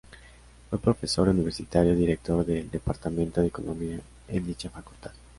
Fue profesor universitario y director del departamento de Economía en dicha facultad.